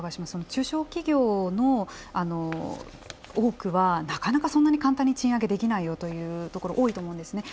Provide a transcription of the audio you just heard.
中小企業の多くはなかなかそんなに簡単に賃上げできないよというところ多いと思うんですね。